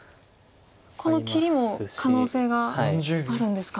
この切りも可能性があるんですか。